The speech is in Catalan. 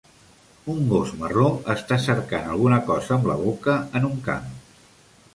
Un gos marró està cercant alguna cosa amb la boca en un camp.